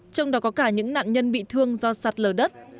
trong đó có cả những nạn nhân bị thương do sạt lở đất